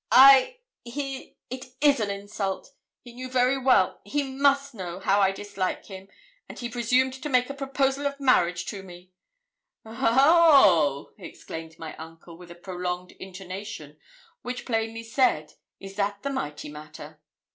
'I he it is an insult. He knew very well he must know I dislike him; and he presumed to make a proposal of marriage to me.' 'O o oh!' exclaimed my uncle, with a prolonged intonation which plainly said, Is that the mighty matter?